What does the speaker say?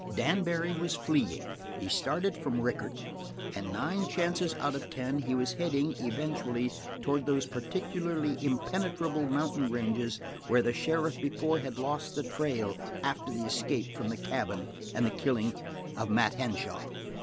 Dan Barry was fleeing. He started from Rickett, and nine chances out of ten he was heading, eventually, towards those practically impenetrable mountain ranges where the sheriff before had lost the trail after the escape from the cabin and the killing of Mat Henshaw.